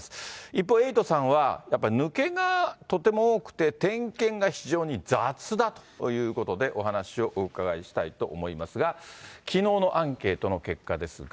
一方、エイトさんは、やっぱり抜けがとても多くて点検が非常に雑だということで、お話をお伺いしたいと思いますが、きのうのアンケートの結果ですが。